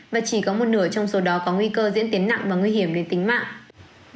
và chỉ có một nửa trong số đó có nguy cơ diễn tiến nặng và nguy hiểm đến tính mạng